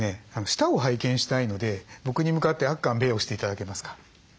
舌を拝見したいので僕に向かってあっかんべーをして頂けますか？